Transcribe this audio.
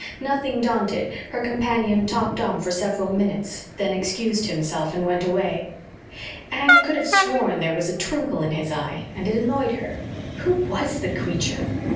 Nothing daunted, her companion talked on for several minutes, then excused himself and went away. Anne could have sworn there was a twinkle in his eye and it annoyed her. Who was the creature?